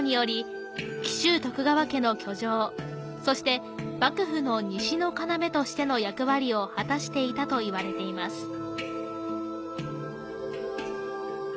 そして幕府の西の要としての役割を果たしていたといわれています。